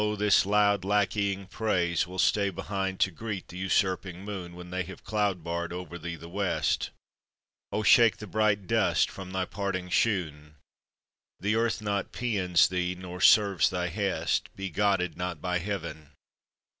this loud, lackeying praise Will stay behind to greet the usurping moon, When they have cloud barred over thee the West. Oh, shake the bright dust from thy parting shoon! The earth not pæans thee, nor serves thy hest; Be godded not by Heaven!